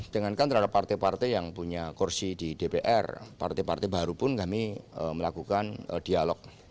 dengan kan terhadap partai partai yang punya kursi di dpr partai partai baru pun kami melakukan dialog